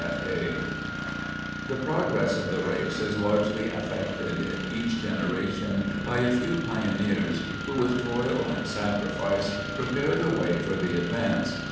F. A. [Sidenote: Unrecognized Pioneers] The progress of the race is largely affected in each generation by a few pioneers who, with toil and sacrifice, prepare the way for the advance.